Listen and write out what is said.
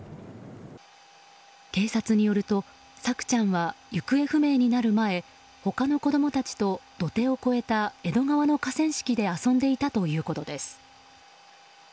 警察によると、朔ちゃんは行方不明になる前他の子供たちと、土手を越えた江戸川の河川敷で遊んでいたということです。